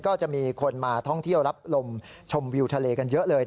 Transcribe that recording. ก็จะมีคนมาท่องเที่ยวรับลมชมวิวทะเลกันเยอะเลย